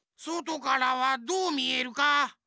そとからはどうみえるか？